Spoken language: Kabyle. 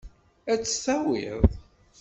Ad tt-tawiḍ.